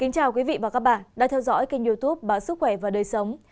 chào các bạn đã theo dõi kênh youtube báo sức khỏe và đời sống